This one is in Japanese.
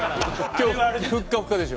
今日ふっかふかでしょ。